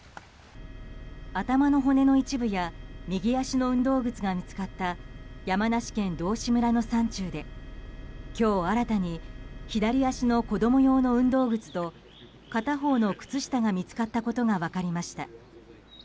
頭の骨の一部や右足の運動靴が見つかった山梨県道志村の山中で今日新たに左足の子供用の運動靴と片方の靴下が見つかったことが分かりました。